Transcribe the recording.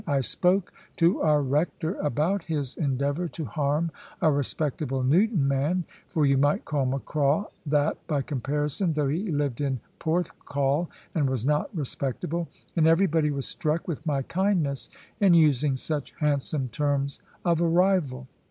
I spoke to our rector about his endeavour to harm a respectable Newton man for you might call Macraw that by comparison, though he lived at Porthcawl, and was not respectable and everybody was struck with my kindness in using such handsome terms of a rival.